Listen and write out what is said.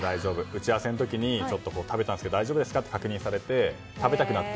打ち合わせの時に食べたんですけど大丈夫ですか？と確認されて、食べたからって。